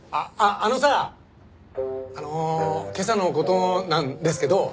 あの今朝の事なんですけど。